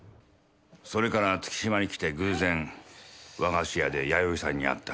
それから月島に来て偶然和菓子屋で弥生さんに会った。